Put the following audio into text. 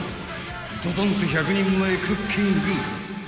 ［ドドンと１００人前クッキング］